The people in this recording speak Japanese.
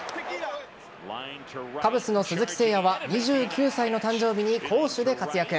カブスの鈴木誠也は２９歳の誕生日に攻守で活躍。